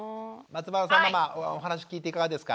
松原さんママお話聞いていかがですか？